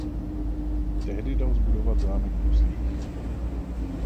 Tehdy dal zbudovat zámek v Nuslích.